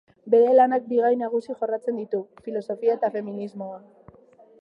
Bere lanak bi gai nagusi jorratzen ditu: filosofia eta feminismoa.